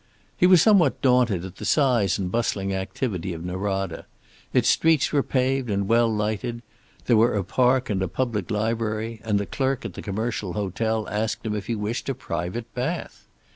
He was somewhat daunted at the size and bustling activity of Norada. Its streets were paved and well lighted, there were a park and a public library, and the clerk at the Commercial Hotel asked him if he wished a private bath!